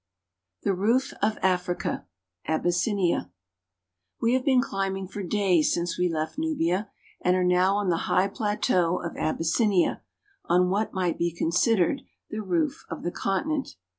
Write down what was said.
THE ROOF OF AFRICA — AHYSSINIA WE have been climbing for days since we left Nubia, and are uow on the high plateau of Abyssinia (ab ls sln'l a), on what might be considered the roof of the continent.